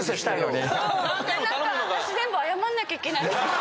なんか私全部謝んなきゃいけない。